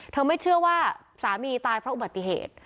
ไม่เชื่อว่าสามีตายเพราะอุบัติเหตุ